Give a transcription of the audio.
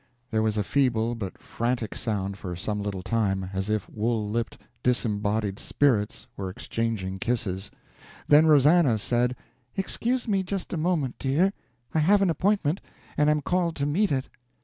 There was a feeble but frantic sound for some little time, as if wool lipped, disembodied spirits were exchanging kisses; then Rosannah said, "Excuse me just a moment, dear; I have an appointment, and am called to meet it."